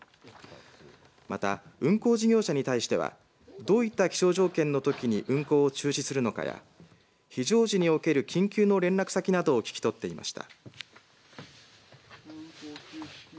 また運航事業者に対してはどういった気象条件のときに運航を中止するのかや非常時における緊急の連絡先などを聞き取っていました。